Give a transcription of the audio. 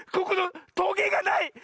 ここのトゲがない！